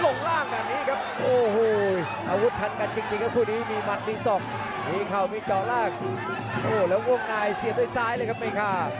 โอ้แล้วบวกนายเสียด้วยซ้ายเลยครับเพคะ